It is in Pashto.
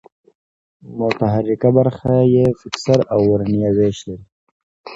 متحرکه برخه یې فکسر او ورنیه وېش لري.